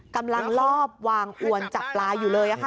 กำลังลอบวางอวนจับลาอยู่เลย